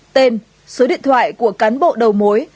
tên số điện thoại của cán bộ đầu mối